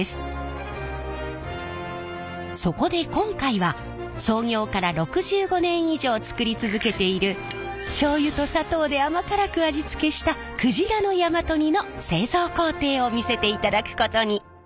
そこで今回は創業から６５年以上作り続けているしょうゆと砂糖で甘辛く味付けした鯨の大和煮の製造工程を見せていただくことに！